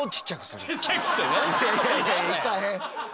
いやいやいや行かへん。